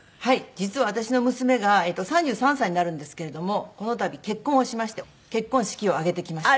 実は私の娘が３３歳になるんですけれどもこの度結婚をしまして結婚式を挙げてきました。